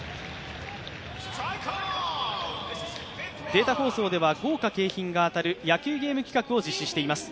データ放送では豪華景品が当たる野球ゲーム企画を実施しています。